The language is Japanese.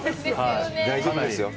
大丈夫ですよ。